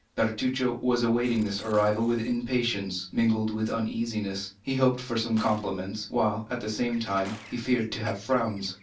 Bertuccio was awaiting this arrival with impatience, mingled with uneasiness; he hoped for some compliments, while, at the same time, he feared to have frowns.